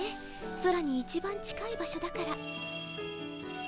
空に一番近い場所だから。